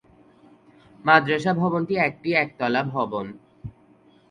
মাদ্রাসা ভবনটি একটি একতলা ভবন।